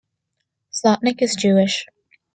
Slotnick is Jewish.